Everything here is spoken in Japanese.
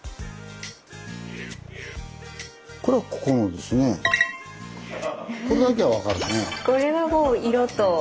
これはもう色と。